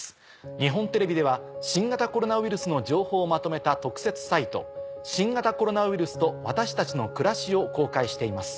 日本テレビでは新型コロナウイルスの情報をまとめた特設サイト。を公開しています。